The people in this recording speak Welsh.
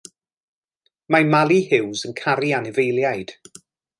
Mae Mali Huws yn caru anifeiliaid.